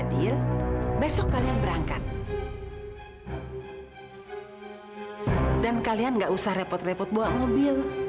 dan kalian gak usah repot repot bawa mobil